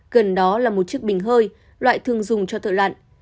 gần đó là một chiếc bình hơi loại thường dùng cho thợ lặn